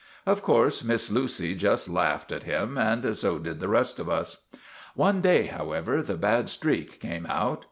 Of course Miss Lucy just laughed at him, and so did the rest of us. " One day, however, the bad streak came out.